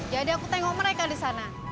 jadi aku tengok mereka di sana